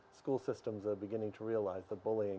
apakah kamu berkelas dengan anak anak lain